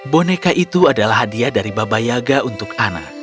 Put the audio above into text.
boneka itu adalah hadiah dari baba yaga untuk ana